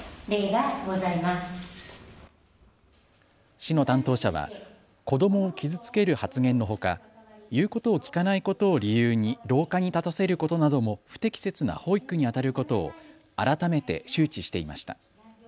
市の担当者は、子どもを傷つける発言のほか、言うことを聞かないことを理由に廊下に立たせることなども不適切な保育にあたることを改めて周知していました。